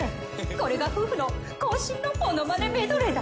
これが夫婦のこん身のものまねメドレーだ